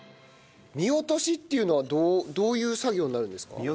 身落としっていうのはどういう作業になるんですか？